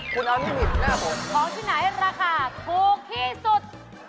คุณเอาไม่ผิดหน้าผมของที่ไหนราคาถูกที่สุด